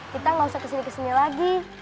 kita nggak usah kesini kesini lagi